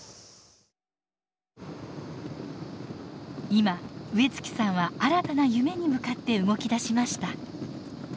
今植月さんは新たな夢に向かって動きだしました。